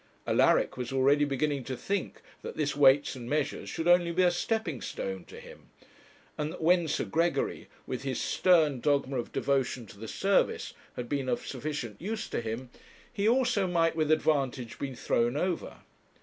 Alaric was already beginning to think that this Weights and Measures should only be a stepping stone to him; and that when Sir Gregory, with his stern dogma of devotion to the service, had been of sufficient use to him, he also might with advantage be thrown over.